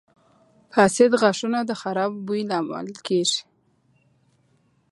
• فاسد غاښونه د خراب بوی لامل کیږي.